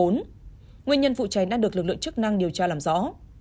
nguyên nhân vụ cháy đang được lực lượng chức năng điều tra làm rõ